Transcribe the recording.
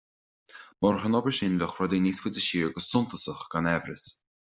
Murach an obair sin bheadh rudaí níos faide siar go suntasach gan amhras